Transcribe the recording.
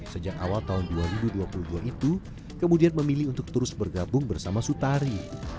sejak awal tahun dua ribu dua puluh dua itu kemudian memilih untuk terus bergabung bersama sutari